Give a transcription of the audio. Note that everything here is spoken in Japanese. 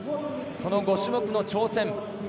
その５種目の挑戦。